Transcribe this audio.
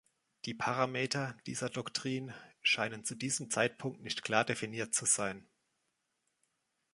Die Parameter dieser Doktrin scheinen zu diesem Zeitpunkt nicht klar definiert zu sein.